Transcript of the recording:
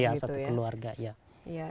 iya satu keluarga